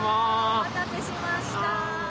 お待たせしました。